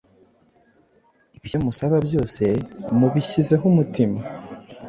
Ibyo musaba byose mubishyizeho umutima